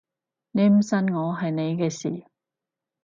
你唔信我係你嘅事